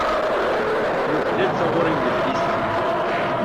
Yuklal taɣuṛi wedlis-a.